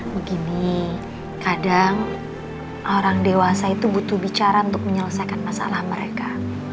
begini kadang orang dewasa itu butuh bicara untuk menyelesaikan masalah mereka